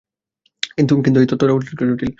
কিন্তু এই তত্ত্বটা জটিল।